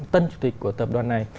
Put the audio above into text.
tân chủ tịch của tập đoàn này